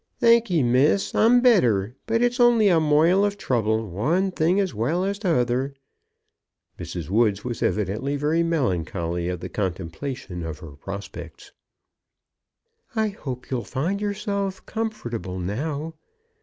"Thank'ee, Miss; I'm better; but it's only a moil of trouble, one thing as well as t'other." Mrs. Woods was evidently very melancholy at the contemplation of her prospects. "I hope you'll find yourself comfortable now."